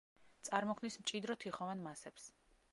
წარმოქმნის მჭიდრო თიხოვან მასებს.